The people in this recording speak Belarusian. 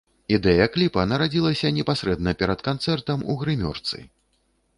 Ідэя кліпа нарадзілася непасрэдна перад канцэртам у грымёрцы.